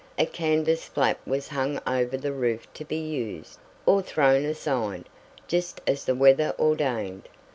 A canvas flap was hung over the roof to be used, or thrown aside, just as the weather ordained.